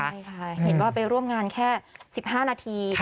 ใช่ค่ะเห็นว่าไปร่วมงานแค่๑๕นาที